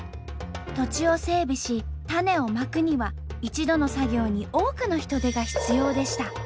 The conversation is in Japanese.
土地を整備し種をまくには一度の作業に多くの人手が必要でした。